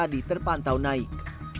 di terpantau naik